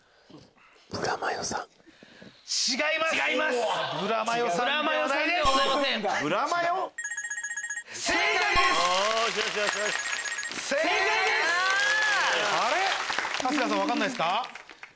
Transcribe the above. ピンポン春日さん分からないですか？